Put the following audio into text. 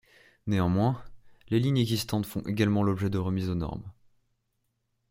Néanmoins, les lignes existantes font également l'objet de remises aux normes.